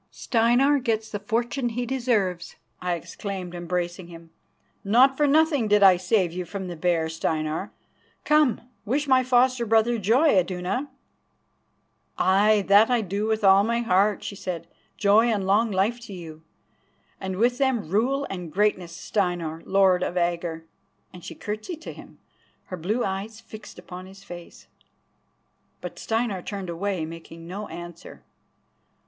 "Steinar gets the fortune he deserves," I exclaimed, embracing him. "Not for nothing did I save you from the bear, Steinar. Come, wish my foster brother joy, Iduna." "Aye, that I do with all my heart," she said. "Joy and long life to you, and with them rule and greatness, Steinar, Lord of Agger," and she curtsied to him, her blue eyes fixed upon his face. But Steinar turned away, making no answer.